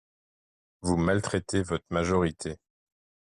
Vous maltraitez votre majorité